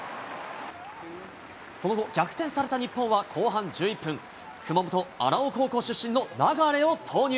その後、逆転された日本は後半１１分、熊本、荒尾高校出身の流を投入。